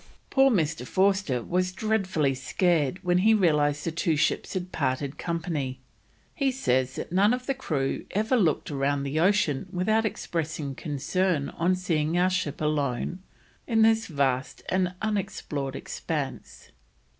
Poor Mr. Forster was dreadfully scared when he realised the two ships had parted company; he says that none of the crew "ever looked around the ocean without expressing concern on seeing our ship alone on this vast and unexplored expanse."